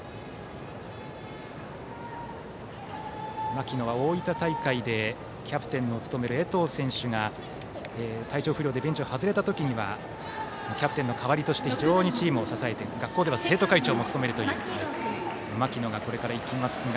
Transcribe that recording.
牧野は大分大会でキャプテンを務める江藤選手が体調不良でベンチを外れた時にはキャプテンの代わりとして非常にチームを支えて学校では生徒会長を務めるという牧野がこれから行きます。